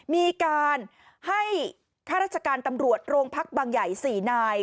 มีการให้ข้าราชการตำรวจโรงพักบางใหญ่๔นาย